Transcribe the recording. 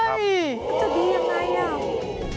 จะดียังไง